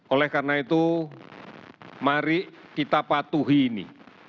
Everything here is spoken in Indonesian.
oleh karena itu mari kita patuhi ini